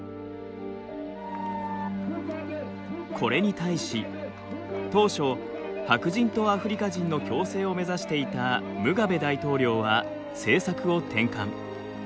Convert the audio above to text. これに対し当初白人とアフリカ人の共生を目指していたムガベ大統領は政策を転換。